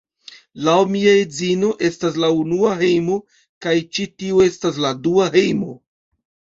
Laŭ mia edzino, estas la unua hejmo, kaj ĉi tiu estas la dua hejmo.